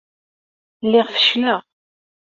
Lliɣ feccleɣ.